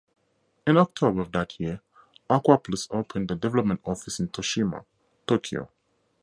In October of that year, Aquaplus opened a development office in Toshima, Tokyo.